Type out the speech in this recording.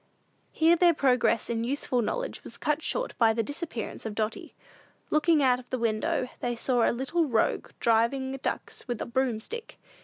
Here their progress in useful knowledge was cut short by the disappearance of Dotty. Looking out of the window, they saw the little rogue driving ducks with a broomstick.